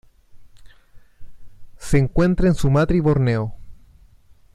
Se encuentra en Sumatra y Borneo.